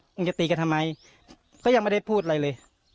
มึงจะตีกันทำไมก็ยังไม่ได้พูดอะไรเลย